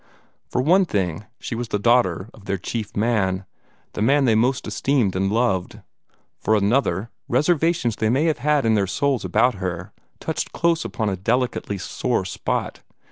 For one thing, she was the daughter of their chief man, the man they most esteemed and loved. For another, reservations they may have had in their souls about her touched close upon a delicately sore spot.